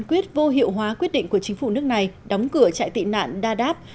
quyết định vô hiệu hóa quyết định của chính phủ nước này đóng cửa chạy tị nạn dadaab